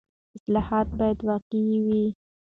اصلاحات باید واقعي وي.